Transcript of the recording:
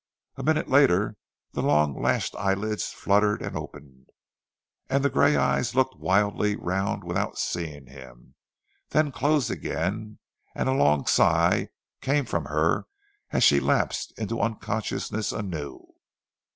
A minute later the long lashed eyelids fluttered and opened, and the grey eyes looked wildly round without seeing him, then closed again and a long sigh came from her as she lapsed into unconsciousness anew.